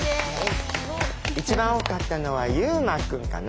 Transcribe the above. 一番多かったのは悠真くんかな？